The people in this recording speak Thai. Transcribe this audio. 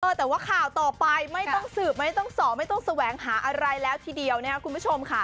แต่ว่าข่าวต่อไปไม่ต้องสืบไม่ต้องสอไม่ต้องแสวงหาอะไรแล้วทีเดียวนะครับคุณผู้ชมค่ะ